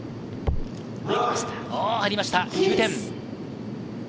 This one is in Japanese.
入りました、９点。